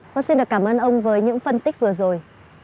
vâng xin cảm ơn ông với những phân tích vừa rồi